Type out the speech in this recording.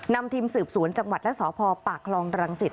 นำทีมสืบศูนย์จังหวัดและสพปากลองรังสิทธิ์